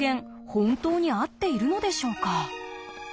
本当に合っているのでしょうか？